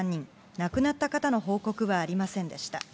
亡くなった方の報告はありませんでした。